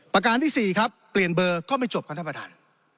ประการที่๔ครับเปลี่ยนเบอร์ก็ไม่จบครับท่านประธาน